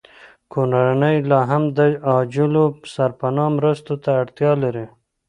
کورنۍ لاهم د عاجلو سرپناه مرستو ته اړتیا لري